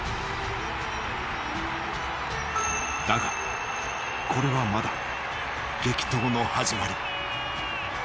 だがこれはまだ激闘の始まり。